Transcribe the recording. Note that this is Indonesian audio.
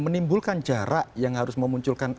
menimbulkan jarak yang harus memunculkan